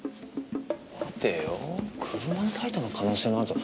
待てよ車のライトの可能性もあるぞ。